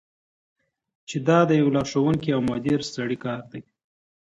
چی دا د یو لارښوونکی او مدبر سړی کار دی.